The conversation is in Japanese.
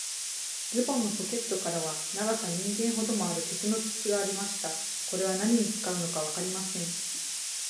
ズボンのポケットからは、長さ人間ほどもある、鉄の筒がありました。これは何に使うのかわかりません。